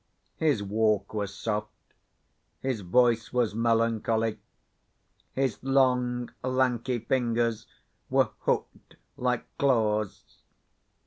His walk was soft; his voice was melancholy; his long lanky fingers were hooked like claws.